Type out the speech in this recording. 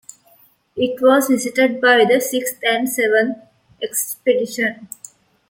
It was visited by the sixth and seventh expeditions.